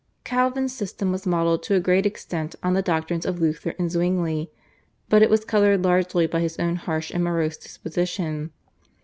Calvin's system was modelled to a great extent on the doctrines of Luther and Zwingli, but it was coloured largely by his own harsh and morose disposition.